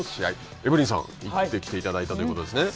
エブリンさん、行ってきていただいたということですね。